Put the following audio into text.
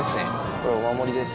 これお守りです